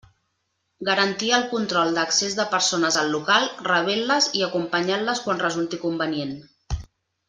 Garantir el control d'accés de persones al local, rebent-les i acompanyant-les quan resulti convenient.